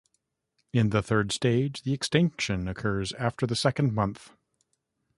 In the third stage, the "extinction" occurs after the second month.